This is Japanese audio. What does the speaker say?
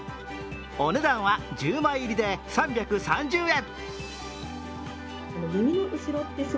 お値段は１０枚入りで３３０円。